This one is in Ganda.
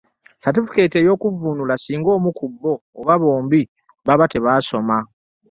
Satifikeeti ey’okuvvuunula singa omu ku bo oba bombi baba tebaasoma.